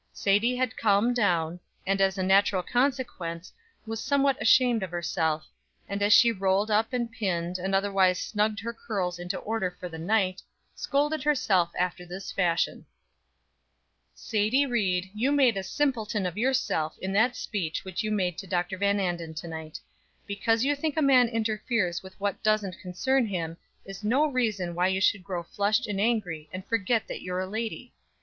Sadie had calmed down, and, as a natural consequence, was somewhat ashamed of herself; and as she rolled up and pinned, and otherwise snugged her curls into order for the night, scolded herself after this fashion: "Sadie Ried, you made a simpleton of yourself in that speech which you made to Dr. Van Anden to night; because you think a man interferes with what doesn't concern him, is no reason why you should grow flushed and angry, and forget that you're a lady.